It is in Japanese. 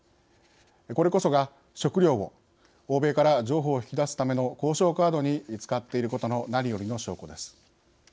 これこそが、食糧を欧米から譲歩を引き出すための交渉カードに使っていることの何よりの証拠です。